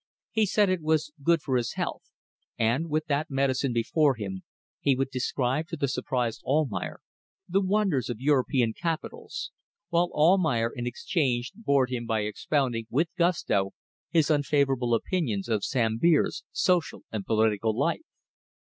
He said it was good for his health, and, with that medicine before him, he would describe to the surprised Almayer the wonders of European capitals; while Almayer, in exchange, bored him by expounding, with gusto, his unfavourable opinions of Sambir's social and political life.